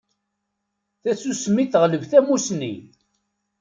Tasusmi teɣleb tamusni.